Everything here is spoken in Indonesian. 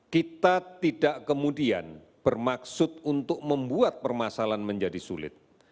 kita tidak kemudian bermaksud untuk membuat permasalahan menjadi sulit